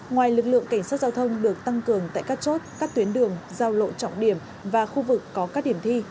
ngoài lực lượng cảnh sát giao thông được tăng cường tại các chốt các tuyến đường giao lộ trọng điểm và khu vực có các điểm thi